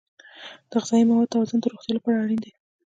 د غذایي موادو توازن د روغتیا لپاره اړین دی.